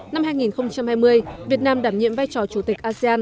năm hai nghìn hai mươi việt nam đảm nhiệm vai trò chủ tịch asean